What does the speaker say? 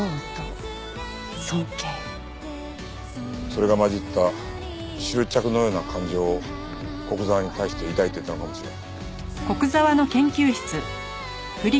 それが混じった執着のような感情を古久沢に対して抱いていたのかもしれん。